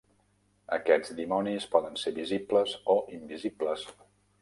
Aquests dimonis poden ser visibles o invisibles.